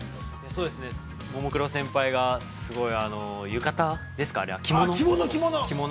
◆そうですね、ももクロ先輩が、すごい浴衣ですか着物？